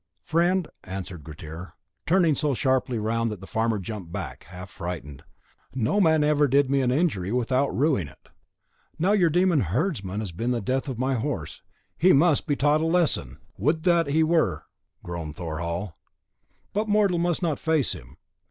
"Friend," answered Grettir, turning so sharply round that the farmer jumped back, half frightened, "no man ever did me an injury without rueing it. Now, your demon herdsman has been the death of my horse. He must be taught a lesson." "Would that he were!" groaned Thorhall; "but mortal must not face him.